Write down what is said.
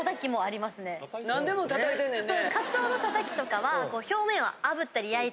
何でもたたいてんねんね。